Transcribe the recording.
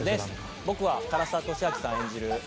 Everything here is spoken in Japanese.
僕は唐沢寿明さん演じる